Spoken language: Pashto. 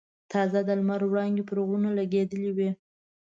تازه د لمر وړانګې پر غرونو لګېدلې وې.